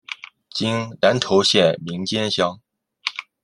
今南投县名间乡。